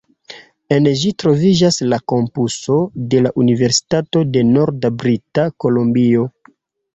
En ĝi troviĝas la kampuso de la Universitato de Norda Brita Kolumbio.